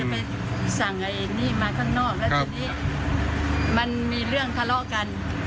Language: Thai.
ไปสั่งไอ้นี่มาข้างนอกแล้วทีนี้มันมีเรื่องทะเลาะกัน